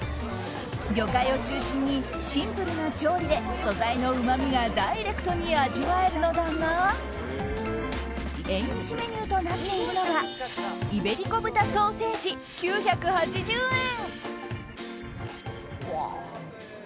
魚介を中心にシンプルな調理で素材のうまみがダイレクトに味わえるのだが縁日メニューとなっているのがイベリコ豚ソーセージ、９８０円。